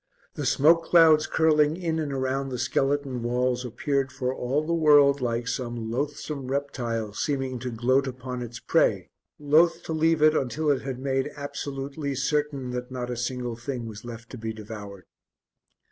The smoke clouds curling in and around the skeleton walls appeared for all the world like some loathsome reptile seeming to gloat upon its prey, loath to leave it, until it had made absolutely certain that not a single thing was left to be devoured.